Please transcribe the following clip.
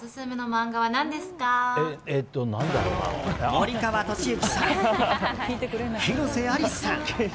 森川智之さん、広瀬アリスさん